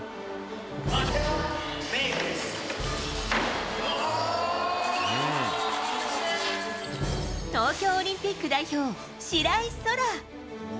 うぉー！東京オリンピック代表、白井空良。